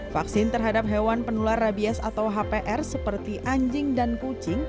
vaksin terhadap hewan penular rabies atau hpr seperti anjing dan kucing